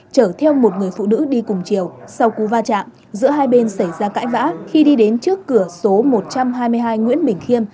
chở theo một người phụ nữ đi cùng chiều sau cú va chạm giữa hai bên xảy ra cãi vã khi đi đến trước cửa số một trăm hai mươi hai nguyễn bình khiêm